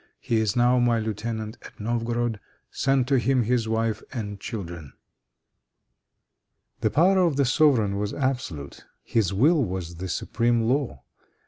He is now my lieutenant at Novgorod. Send to him his wife and children." The power of the sovereign was absolute. His will was the supreme law.